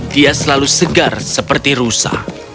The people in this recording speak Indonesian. dia selalu segar seperti rusa